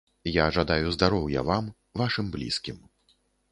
Я жадаю здароўя вам, вашым блізкім.